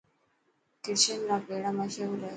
ڪرشن را پيڙا مشهور هي.